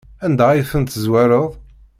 Anda ay ten-tezwareḍ?